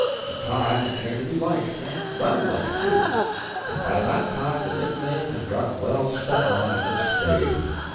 In time he came to be liked, and well liked too; but by that time the nickname had got well stuck on, and it stayed.